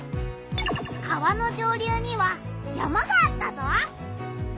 川の上流には山があったぞ！